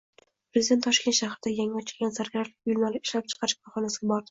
Prezident Toshkent shahrida yangi ochilgan zargarlik buyumlari ishlab chiqarish korxonasiga bordi